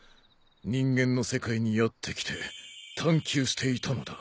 人間の世界にやって来て探求していたのだ。